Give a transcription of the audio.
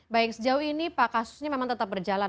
baik sejauh ini pak kasusnya memang tetap berjalan